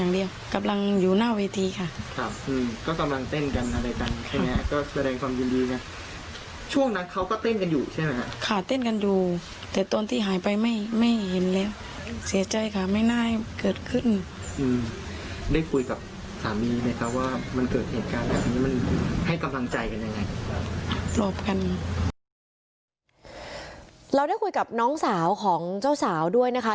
เราได้คุยกับน้องสาวของเจ้าสาวด้วยนะคะ